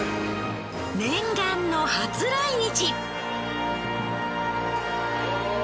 念願の初来日。